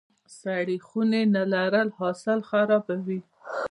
سړې خونې نه لرل حاصل خرابوي.